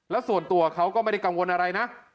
แล้วส่วนตัวเขาก็ไม่ได้กังวลอะไรนะ